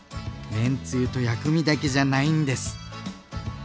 麺つゆと薬味だけじゃないんです。